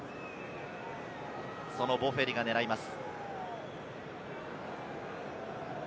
そのボフェリが狙います。